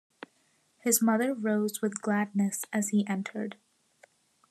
His mother rose with gladness as he entered.